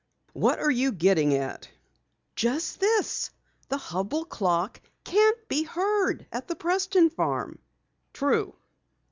"What are you getting at?" "Just this. The Hubell clock can't be heard at the Preston farm." "True."